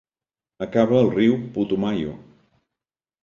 Acaba al riu Putumayo.